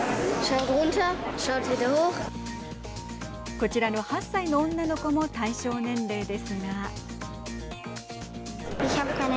こちらの８歳の女の子も対象年齢ですが。